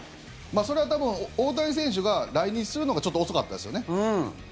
それは多分大谷選手が来日するのがちょっと遅かったですよね。